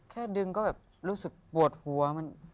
แค่ดึงก็แบบรู้สึกปวดหัว